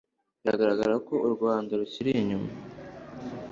biragaragara ko u rwanda rukiri inyuma